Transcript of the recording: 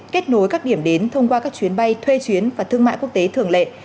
kết nối các điểm đến thông qua các chuyến bay thuê chuyến và thương mại quốc tế thường lệ